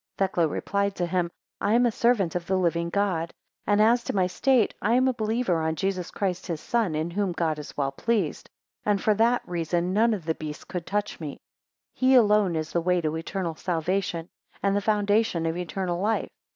18 Thecla replied to him; I am a servant of the living God; and as to my state, I am a believer on Jesus Christ his Son, in whom God is well pleased; and for that reason none of the beasts could touch me. 19 He alone is the way to eternal salvation, and the foundation of eternal life.